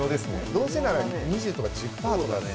どうせなら２０とか１０パーとかね。